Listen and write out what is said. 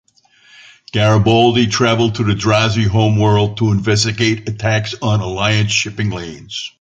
Garibaldi travels to the Drazi homeworld to investigate attacks on Alliance shipping lanes.